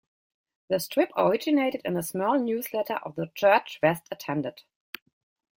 The strip originated in a small newsletter of the church West attended.